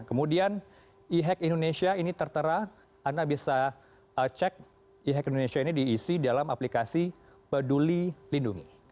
kemudian e hack indonesia ini tertera anda bisa cek e hack indonesia ini diisi dalam aplikasi peduli lindungi